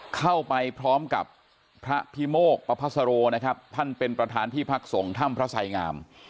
เข้าไปพร้อมกับพระพิโมกประพัสโรนะครับท่านเป็นประธานที่พักส่งถ้ำพระไสงาม